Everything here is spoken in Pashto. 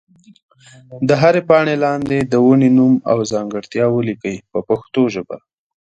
د هرې پاڼې لاندې د ونې نوم او ځانګړتیا ولیکئ په پښتو ژبه.